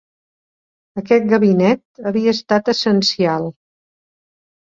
Aquest gabinet havia estat essencial.